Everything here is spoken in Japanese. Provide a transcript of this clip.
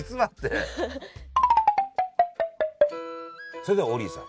それでは王林さん。